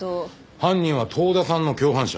犯人は遠田さんの共犯者。